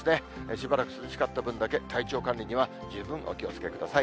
しばらく涼しかった分だけ体調管理には十分お気をつけください。